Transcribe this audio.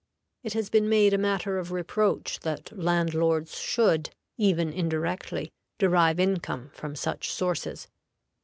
It has been made a matter of reproach that landlords should, even indirectly, derive income from such sources.